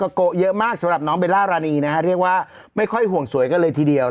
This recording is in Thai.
โกะเยอะมากสำหรับน้องเบลล่ารานีนะฮะเรียกว่าไม่ค่อยห่วงสวยกันเลยทีเดียว